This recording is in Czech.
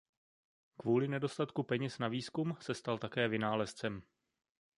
Kvůli nedostatku peněz na výzkum se stal také vynálezcem.